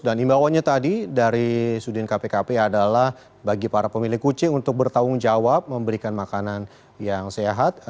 dan imbauannya tadi dari sudin kpkp adalah bagi para pemilik kucing untuk bertanggung jawab memberikan makanan yang sehat